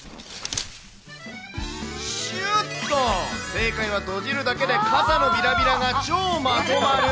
しゅーっと正解は閉じるだけで傘のびらびらが超まとまる。